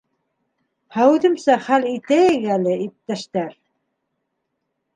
- Һәүетемсә хәл итәйек әле, иптәштәр!